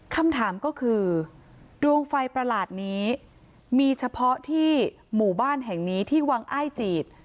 คำถามก็คือดวงไฟประหลาดนี้มีเฉพาะที่หมู่บ้านแห่งนี้ที่วังอ้ายจีด